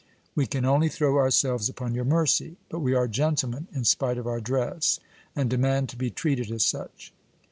We can only throw ourselves upon your mercy; but we are gentlemen in spite of our dress, and demand to be treated as such!"